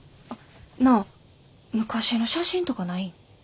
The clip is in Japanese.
あっなあ昔の写真とかないん？